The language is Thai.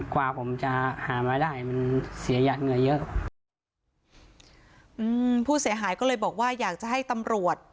กว่าผมจะหามาได้มันเสียหัดเหงื่อเยอะอืมผู้เสียหายก็เลยบอกว่าอยากจะให้ตำรวจ